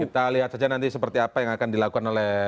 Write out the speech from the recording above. kita lihat saja nanti seperti apa yang akan dilakukan oleh